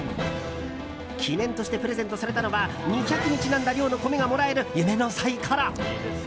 記念としてプレゼントされたのは２００にちなんだ量の米がもらえる夢のサイコロ！